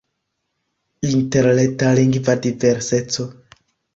Interreta lingva diverseco.